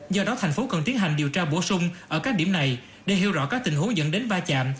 do đó thành phố cần tiến hành điều tra bổ sung ở các điểm này để hiểu rõ các tình huống dẫn đến va chạm